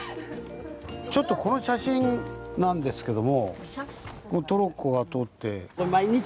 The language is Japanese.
ちょっとこの写真なんですけどもトロッコが通って。